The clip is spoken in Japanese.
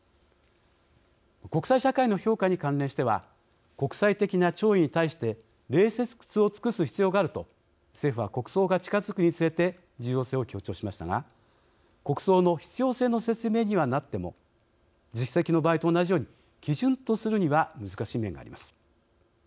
国際社会の評価に関連しては国際的な弔意に対して礼節を尽くす必要があると政府は、国葬が近づくにつれて重要性を強調しましたが国葬の必要性の説明にはなっても実績の場合と同じように基準とするには難しい面があります。